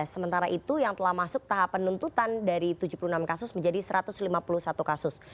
sementara itu yang telah masuk tahap penuntutan dari tujuh puluh enam kasus menjadi satu ratus lima puluh satu kasus